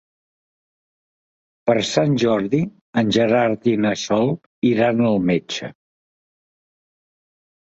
Per Sant Jordi en Gerard i na Sol iran al metge.